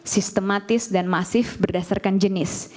sistematis dan masif berdasarkan jenis